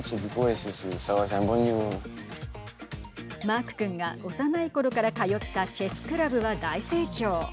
マーク君が幼いころから通ったチェスクラブは大盛況。